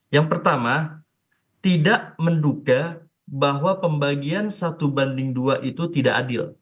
yang pertama tidak menduga bahwa pembagian satu banding dua itu tidak adil